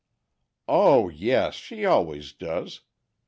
"O yes! she always does.